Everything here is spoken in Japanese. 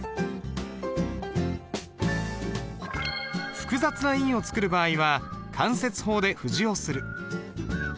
複雑な印を作る場合は間接法で布字をする。